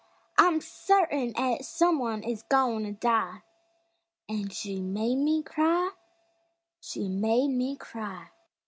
I'm certain 'at some one is goin' to die!" An' she made me cry She made me cry!